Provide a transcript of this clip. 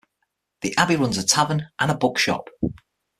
The abbey runs a tavern and bookshop.